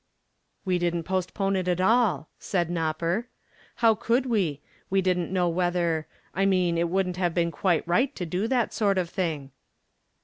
"We didn't postpone it at all," said "Nopper." "How could we? We didn't know whether I mean it wouldn't have been quite right to do that sort of thing."